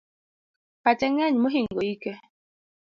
Pache ng'eny mohingo ike